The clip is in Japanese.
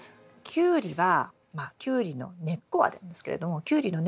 キュウリはキュウリの根っこはなんですけれどもキュウリの根は酸素が大好き。